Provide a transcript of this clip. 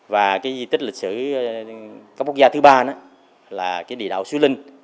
và di tích lịch sử cấp quốc gia thứ ba là địa đạo sứ linh